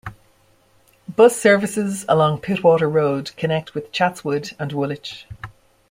Bus services along Pittwater Road connect with Chatswood and Woolwich.